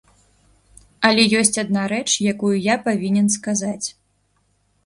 Але ёсць адна рэч, якую я павінен сказаць.